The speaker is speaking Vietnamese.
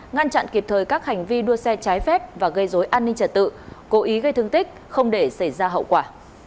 ngăn chặn kịp thời các hành vi đua xe trái phép và gây dối an ninh trật tự cố ý gây thương tích không để xảy ra hậu quả